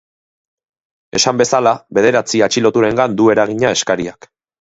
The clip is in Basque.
Esan bezala, bederatzi atxiloturengan du eragina eskariak.